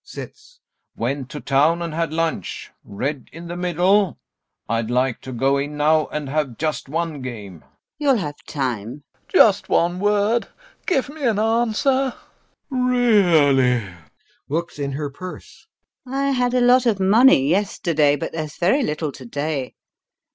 [Sits] Went to town and had lunch... red in the middle! I'd like to go in now and have just one game. LUBOV. You'll have time. LOPAKHIN. Just one word! [Imploringly] Give me an answer! GAEV. Really! LUBOV. [Looks in her purse] I had a lot of money yesterday, but there's very little to day.